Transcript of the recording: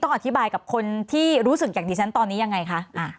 อธิบายกับคนที่รู้สึกอย่างดิฉันตอนนี้ยังไงคะ